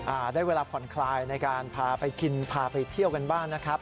อ่าได้เวลาผ่อนคลายในการพาไปกินพาไปเที่ยวกันบ้างนะครับ